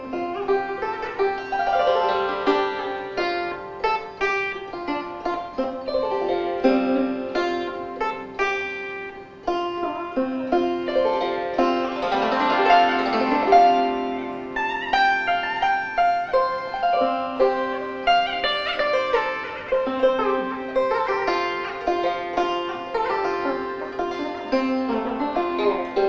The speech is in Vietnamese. môn màu cuộc sống